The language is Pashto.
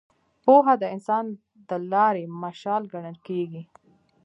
پوهه د انسان د لارې مشال ګڼل کېږي.